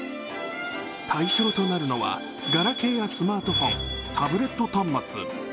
対象となるのは、ガラケーやスマートフォン、タブレット端末。